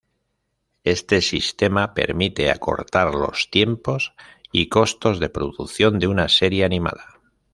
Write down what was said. Este sistema permite acortar los tiempos y costos de producción de una serie animada.